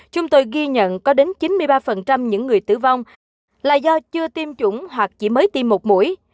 chúng tôi ghi nhận có đến chín mươi ba những người tử vong là do chưa tiêm chủng hoặc chỉ mới tiêm một mũi